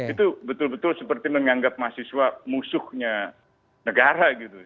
itu betul betul seperti menganggap mahasiswa musuhnya negara gitu